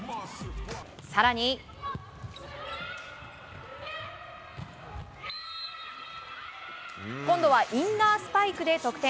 更に、今度はインナースパイクで得点。